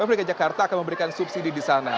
pemprov dki jakarta akan memberikan subsidi di sana